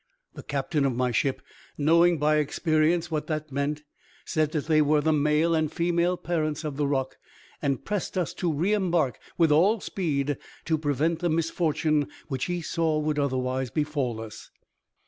The captain of my ship, knowing by experience what they meant, said they were the male and female parents of the roc, and pressed us to re embark with all speed, to prevent the misfortune which he saw would otherwise befall us.